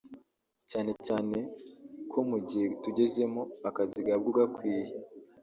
cyane cyane ko mu gihe tugezemo akazi gahabwa ugakwiriye